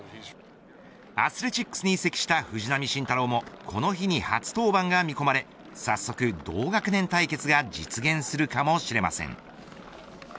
アスレチックスに移籍した藤浪晋太郎もこの日に初登板が見込まれ早速、同学年対決が実現するかもしれません。